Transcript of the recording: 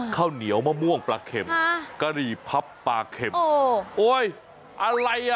ข้าวเหนียวมะม่วงปลาเข็มกะหรี่พับปลาเข็มโอ้ยอะไรอ่ะ